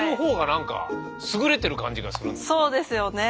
そうですよね。